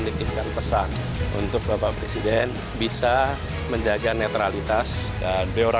terima kasih anda masih bersama kami di political show